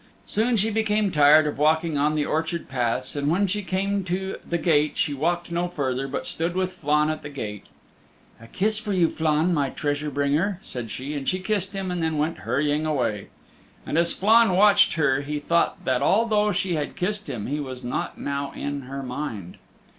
Soon she became tired of walking on the orchard paths, and when she came to the gate she walked no further but stood with Flann at the gate. "A kiss for you, Flann, my treasure bringer," said she, and she kissed him and then went hurrying away. And as Flann watched her he thought that although she had kissed him he was not now in her mind.